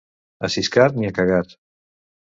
A Siscar, ni a cagar.